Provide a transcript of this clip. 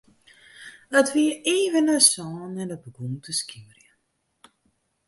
It wie even nei sânen en it begûn te skimerjen.